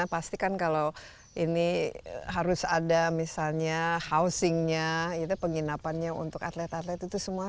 pasti kan kalau ini harus ada misalnya housingnya penginapannya untuk atlet atlet itu semua